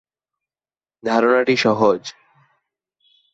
ধারণাটি সহজ।